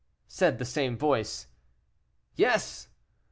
said the same voice. "Yes."